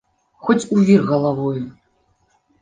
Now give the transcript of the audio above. Хоць у вір галавою!